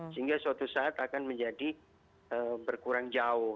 sehingga suatu saat akan menjadi berkurang jauh